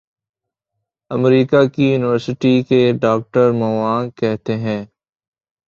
امریکہ کی یونیورسٹی کیے doctor Mwang کہتے ہیں